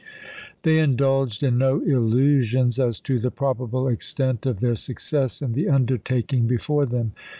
They indulged in no illusions as to the probable extent of their success in the undertaking before them.